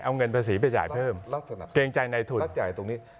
เอาเงินภาษีไปจ่ายเพิ่มเกรงใจในทุน